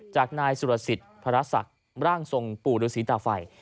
จากนายสุรสิทธิ์พระศักดิ์ร่างทรงปู่ฤษีตาไฟ